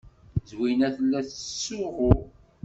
Zwina tella tettsuɣu.